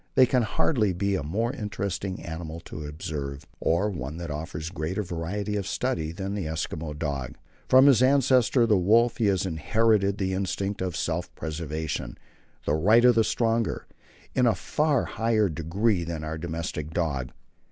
There can hardly be a more interesting animal to observe, or one that offers greater variety of study, than the Eskimo dog. From his ancestor the wolf he has inherited the instinct of self preservation the right of the stronger in a far higher degree than our domestic dog.